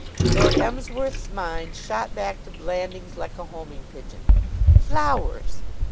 Lord Emsworth's mind shot back to Blandings like a homing pigeon. Flowers!